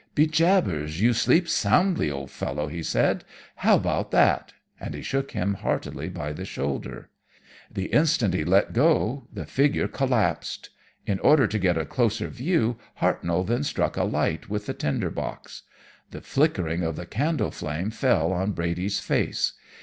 "'Be jabbers, you sleep soundly, old fellow!' he said. 'How about that!' and he shook him heartily by the shoulder. The instant he let go the figure collapsed. In order to get a closer view Hartnoll then struck a light with the tinder box. "The flickering of the candle flame fell on Brady's face.